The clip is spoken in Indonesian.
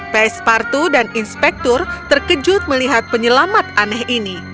pespartu dan inspektur terkejut melihat penyelamat aneh ini